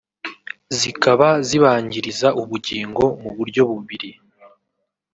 zikaba zibangiriza ubugingo mu buryo bubiri